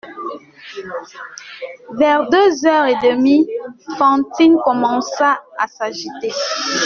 Vers deux heures et demie, Fantine commença à s'agiter.